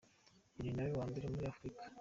Uyu ni nawe wa mbere muri Afrika.